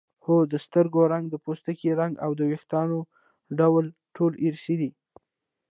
هو د سترګو رنګ د پوستکي رنګ او د وېښتانو ډول ټول ارثي دي